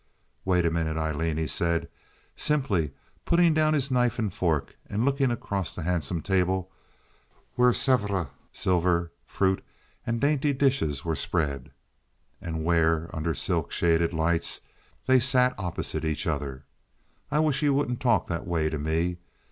"Wait a minute, Aileen," he said, simply, putting down his knife and fork and looking across the handsome table where Sevres, silver, fruit, and dainty dishes were spread, and where under silk shaded lights they sat opposite each other. "I wish you wouldn't talk that way to me.